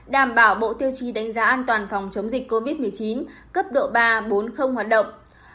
đảm bảo bộ tiêu chí đánh giá an toàn phòng chống dịch covid một mươi chín cấp độ ba bốn hoạt động